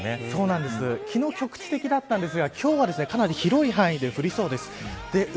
昨日、局地的だったんですが今日はかなり広い範囲で降りそうです。